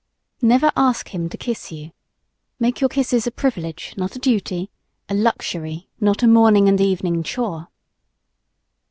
NEVER ask him to kiss you. Make your kisses a privilege, not a duty; a luxury, not a morning and evening "chore."